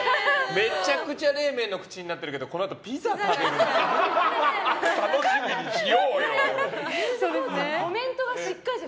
めちゃくちゃ冷麺の口になってるけどこのあとピザ食べる。